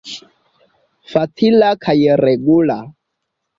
Facila kaj regula.